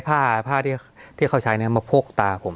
คล้ายผ้าผ้าที่เขาใช้เนี่ยมาโพกตาผม